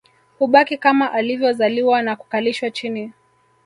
Hubaki kama alivyozaliwa na kukalishwa chini